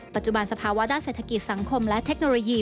ปัจจุบันสภาวะด้านเศรษฐกิจสังคมและเทคโนโลยี